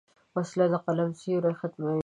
وسله د قلم سیوری ختموي